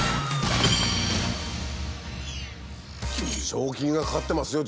賞金がかかってますよ